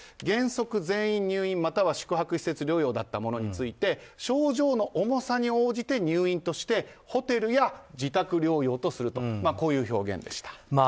原則、全員入院または宿泊施設療養だったものを症状の重さに応じて入院としてホテルや自宅療養とするという表現でした。